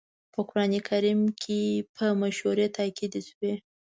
په قرآن کريم کې په مشورې تاکيد شوی.